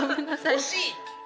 惜しい！